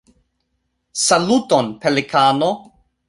Saluton Pelikano!